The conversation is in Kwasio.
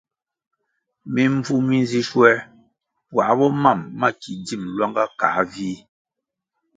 Mimbvu mi nzi schuer puáh bo mam ma ki dzim luanga kăh vih.